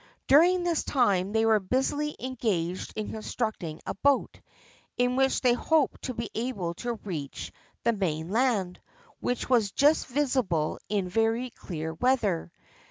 During this time they were busily engaged in constructing a boat, in which they hoped to be able to reach the mainland, which was just visible in very clear weather.